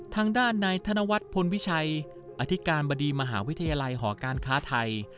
ทางด้านนายธนวัฒน์พลวิชัยอธิการบดีมหาวิทยาลัยหอการค้าไทย